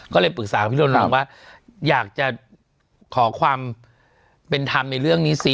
ก็เลยปรึกษาพี่โรนลงว่าอยากจะขอความเป็นธรรมในเรื่องนี้ซิ